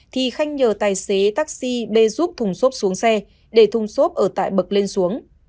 thì khanh nhờ tài xế taxi bê giúp thùng xốp xuống xe để thùng xốp ở tại bậc lên xuống